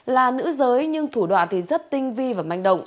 là nữ giới nhưng thủ đoạn thì rất tinh vi và manh động